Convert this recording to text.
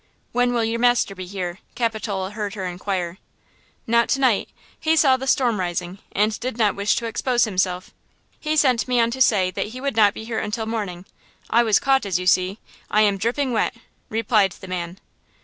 "When will your master be here?" Capitola heard her inquire. "Not to night; he saw the storm rising and did not wish to expose himself. He sent me on to say that he would not be here until morning. I was caught, as you see! I am dripping wet," replied the man.